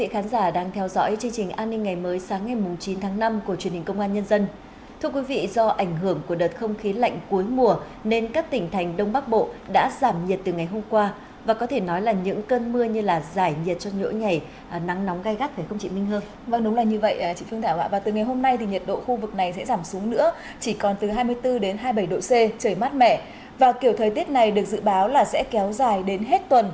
hãy đăng ký kênh để ủng hộ kênh của chúng mình nhé